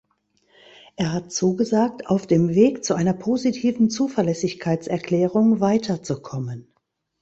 Er hat zugesagt, auf dem Weg zu einer positiven Zuverlässigkeitserklärung weiterzukommen.